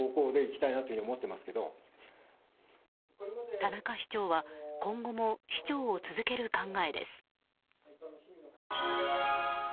田中市長は今後も市長を続ける考えです。